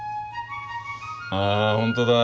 あ本当だ。